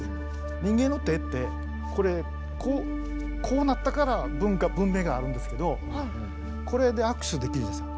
人間の手ってこれこうなったから文化文明があるんですけどこれで握手できるじゃないですか。